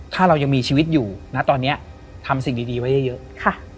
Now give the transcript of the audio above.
ถ้าเรายังมีชีวิตอยู่นะตอนนี้ทำสิ่งดีไว้เยอะค่ะ